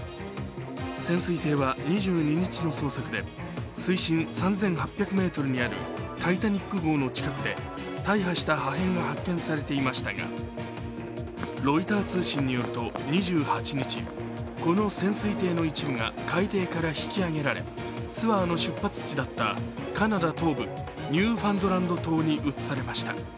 潜水艇は２２日の捜索で水深３８００ｍにある「タイタニック」号の近くで大破した破片が発見されていましたが、ロイター通信によると２８日、この潜水艇の一部が海底から引き揚げられツアーの出発地だったカナダ東部ニューファンドランド島に移されました。